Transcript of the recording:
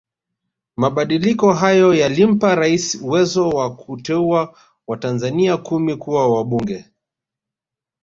Mabadiliko hayo yalimpa Raisi uwezo wa kuteua watanzania kumi kuwa wabunge